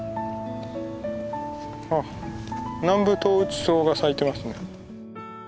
あっナンブトウウチソウが咲いてますね。